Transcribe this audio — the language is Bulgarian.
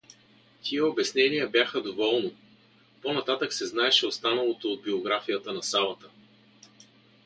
Тия обяснения бяха доволно, по-нататък се знаеше останалото от биографията на Савата.